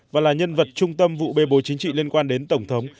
và là nhân vật trung tâm vụ bê bối chính trị liên quan đến tổng thống